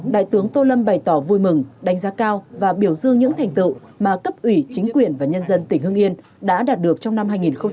đại tướng tô lâm bày tỏ vui mừng đánh giá cao và biểu dư những thành tựu mà cấp ủy chính quyền và nhân dân tỉnh hưng yên đã đạt được trong năm hai nghìn hai mươi hai